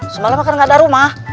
semalam kan gak ada rumah